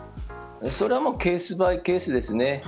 それはケース・バイ・ケースですね。